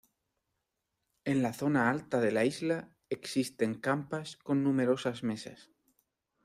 En la zona alta de la isla existen campas con numerosas mesas.